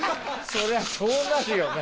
そりゃそうだよね。